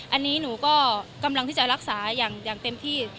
อันนี้หนูก็กำลังที่จะรักษาอย่างเต็มที่